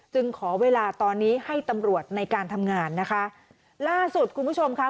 ขอเวลาตอนนี้ให้ตำรวจในการทำงานนะคะล่าสุดคุณผู้ชมค่ะ